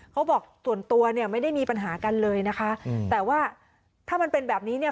เขาบอกส่วนตัวเนี่ยไม่ได้มีปัญหากันเลยนะคะแต่ว่าถ้ามันเป็นแบบนี้เนี่ย